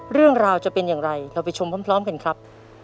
เรื่องราวจะเป็นอย่างไรเราไปชมพร้อมกันครับ